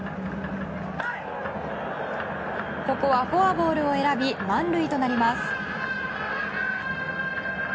ここはフォアボールを選び満塁となります。